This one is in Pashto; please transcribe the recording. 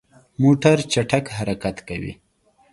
موټر چټک حرکت کوي.